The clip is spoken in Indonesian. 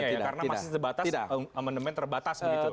karena masih terbatas emendemen terbatas begitu